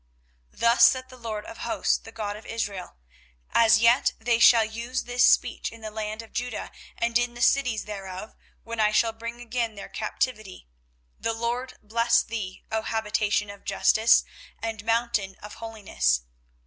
24:031:023 Thus saith the LORD of hosts, the God of Israel; As yet they shall use this speech in the land of Judah and in the cities thereof, when I shall bring again their captivity; The LORD bless thee, O habitation of justice, and mountain of holiness.